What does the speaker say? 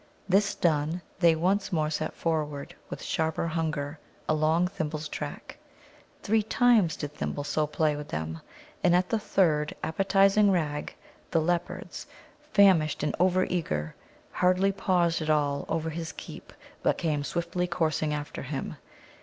This done, they once more set forward with sharper hunger along Thimble's track. Three times did Thimble so play with them, and at the third appetizing rag the leopards, famished and over eager, hardly paused at all over his keepsake, but came swiftly coursing after him.